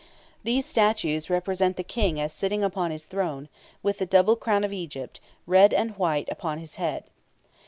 These statues represent the King as sitting upon his throne, with the double crown of Egypt, red and white, upon his head.